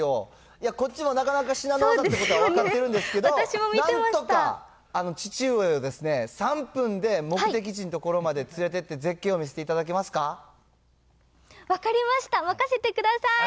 いや、こっちもなかなか至難の業だってことは分かってるんですけど、なんとか父上を３分で目的地の所まで連れてって、分かりました、任せてください。